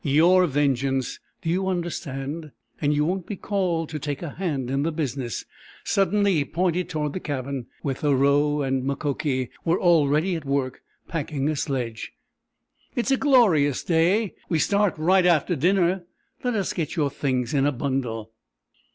Your vengeance. Do you understand? And you won't be called to take a hand in the business." Suddenly he pointed toward the cabin, where Thoreau and Mukoki were already at work packing a sledge. "It's a glorious day. We start right after dinner. Let us get your things in a bundle."